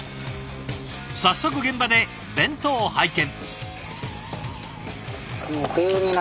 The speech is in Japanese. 早速現場で弁当を拝見。